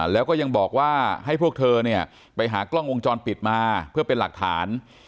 แล้วก็ยังบอกว่าให้พวกเธอเนี่ยไปหากล้องวงจรปิดมาเพื่อเป็นหลักฐาน